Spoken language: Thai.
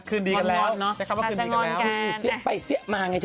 คืนดีกันแล้วใช้คำว่าคืนดีกันแล้วเสี้ยไปเสี้ยมาไงเธอ